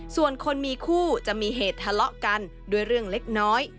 ส่วนคนมีคู่จะมีเหตุทะเลาะกันด้วยเรื่องเล็กน้อย